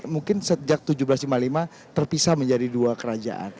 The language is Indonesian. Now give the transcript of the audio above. mungkin sejak seribu tujuh ratus lima puluh lima terpisah menjadi dua kerajaan